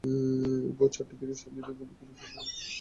ভোর চারটার দিকে সেলিনা ঘুমন্ত রাজার গায়ে গরম পানি ঢেলে দেন।